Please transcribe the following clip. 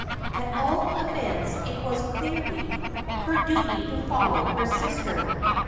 At all events, it was clearly her duty to follow her sister.